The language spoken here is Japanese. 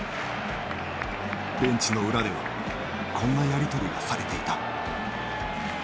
ベンチの裏ではこんなやり取りがされていた。